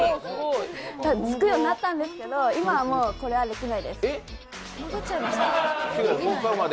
つくようになったんですけど、今はもう、それはできないです。